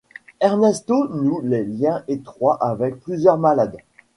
Ernesto noue des liens étroits avec plusieurs malades.